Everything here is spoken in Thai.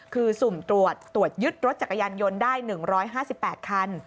คือสุ่มตรวจตรวจยึดรถจักรยานยนต์ได้๑๕๘คัน